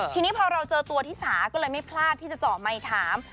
ทีนี้พอเราเจอตัวที่สาก็เลยไม่พลาดที่จะเจาะไมค์ถาม